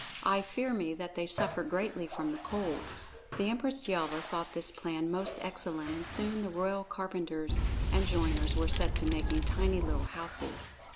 I fear me that they suffer greatly from the cold." The Empress Yelva thought this plan most excellent, and soon the royal carpenters and joiners were set to making tiny little houses.